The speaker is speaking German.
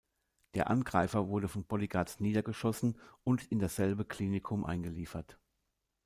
Der Angreifer wurde von Bodyguards niedergeschossen und in dasselbe Klinikum eingeliefert.